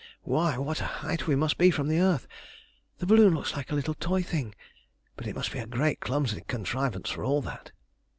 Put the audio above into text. "Why, what a height we must be from the earth! The balloon looks like a little toy thing, but it must be a great clumsy contrivance for all that."